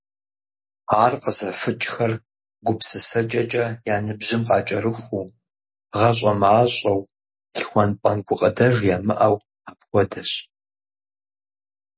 Ар къызэфыкӀхэр гупсысэкӀэкӀэ я ныбжьым къыкӀэрыхуу, гъащӀэ мащӀэу, лъхуэн-пӀэн гукъыдэж ямыӀэу апхуэдэщ.